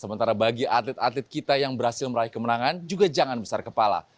sementara bagi atlet atlet kita yang berhasil meraih kemenangan juga jangan besar kepala